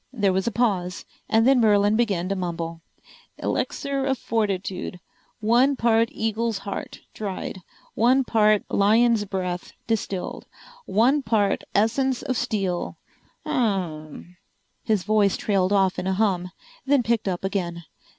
There was a pause, and then Merlin began to mumble. "Elixir of Fortitude: One part Eagle's Heart Dried, one part Lion's Breath Distilled, one part Essence of Steel, hm m m." His voice trailed off in a hum, then picked up again.